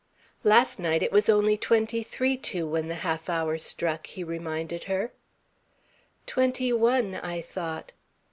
"Last night, it was only twenty three to, when the half hour struck," he reminded her. "Twenty one, I thought."